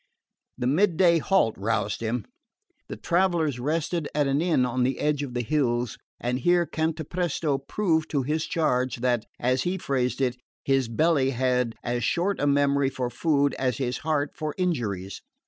The midday halt aroused him. The travellers rested at an inn on the edge of the hills, and here Cantapresto proved to his charge that, as he phrased it, his belly had as short a memory for food as his heart for injuries.